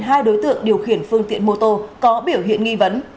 hai đối tượng điều khiển phương tiện mô tô có biểu hiện nghi vấn